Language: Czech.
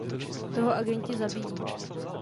Toho agenti zabijí.